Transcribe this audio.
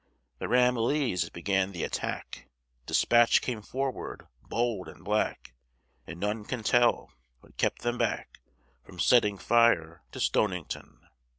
The Ramillies began the attack, Despatch came forward bold and black And none can tell what kept them back From setting fire to Stonington.